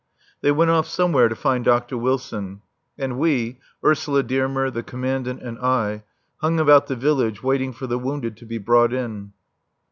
They went off somewhere to find Dr. Wilson; and we Ursula Dearmer, the Commandant and I hung about the village waiting for the wounded to be brought in.